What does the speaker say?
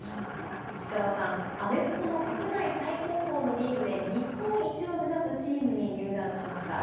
石川さん、アメフトの国内最高峰のリーグで日本一を目指すチームに入団しました。